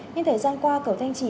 nhưng thời gian qua cầu thanh trì